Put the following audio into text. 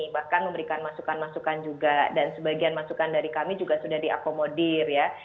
bahkan memberikan masukan masukan juga dan sebagian masukan dari kami juga sudah diakomodir ya